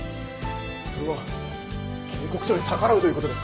それは警告書に逆らうということですか？